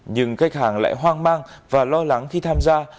nhưng khách hàng lại hoang mang và lo lắng khi tham gia